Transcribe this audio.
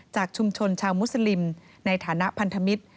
จากชุมชนชาวมุสลิมในฐานะพันธมิตร